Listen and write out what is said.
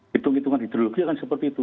hitung hitungan hidrologi kan seperti itu